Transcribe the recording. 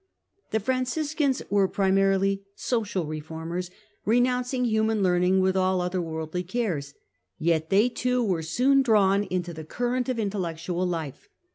The Franciscans were, primarily, social reformers, re nouncing human learning with all other worldly cares. Yet they, too, were soon drawn into the current of in tellectual life.